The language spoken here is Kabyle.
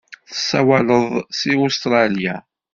Tessawaleḍ-d seg Ustṛalya?